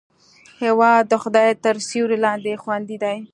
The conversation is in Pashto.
هېواد د خدای تر سیوري لاندې خوندي دی.